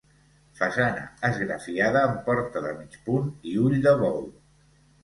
Façana esgrafiada amb porta de mig punt i ull de bou.